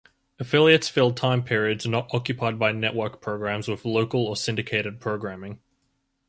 Affiliates fill time periods not occupied by network programs with local or syndicated programming.